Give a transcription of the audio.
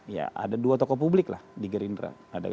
ya ada dua tokoh publik lah di gerindra